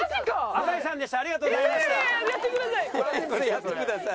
「やってください」。